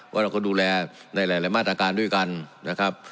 ว่าเราก็ดูแลในหลายมาตรการด้วยกันนะครับ